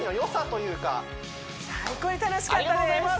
最高に楽しかったです